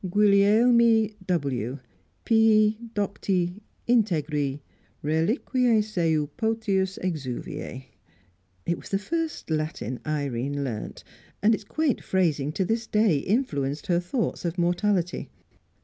"GULIELMI W Pii, docti, integri, Reliquiae seu potius exuviae." It was the first Latin Irene learnt, and its quaint phrasing to this day influenced her thoughts of mortality.